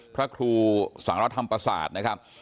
พระครูสหรัฐธรรมปศาสตร์นะครับ